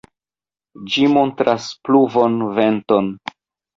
Ĝi montras pluvon venton.